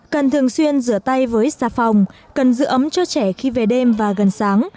cần thường xuyên rửa tay với xà phòng cần giữ ấm cho trẻ khi về đêm và gần sáng